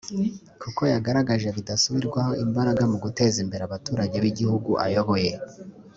kuko yagaragaje bidasubirwaho imbaraga mu guteza imbere abaturage b’igihugu ayoboye